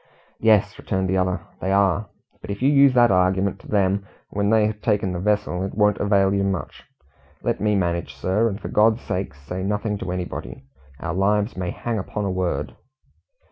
"Yes," returned the other, "they are. But if you use that argument to them when they have taken the vessel, it won't avail you much. Let me manage, sir; and for God's sake, say nothing to anybody. Our lives may hang upon a word."